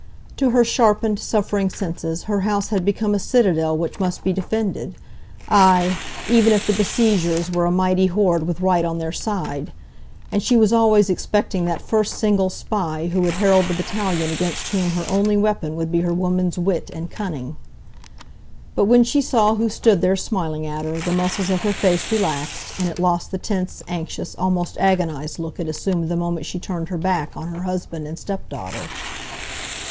To her sharpened, suffering senses her house had become a citadel which must be defended; aye, even if the besiegers were a mighty horde with right on their side. And she was always expecting that first single spy who would herald the battalion against whom her only weapon would be her woman's wit and cunning. But when she saw who stood there smiling at her, the muscles of her face relaxed, and it lost the tense, anxious, almost agonised look it assumed the moment she turned her back on her husband and stepdaughter.